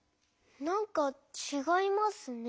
なんかちがいますね。